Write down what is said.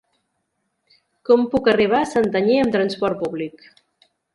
Com puc arribar a Santanyí amb transport públic?